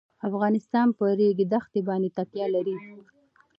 افغانستان په د ریګ دښتې باندې تکیه لري.